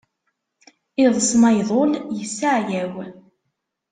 Iḍes ma iḍul isseɛyaw.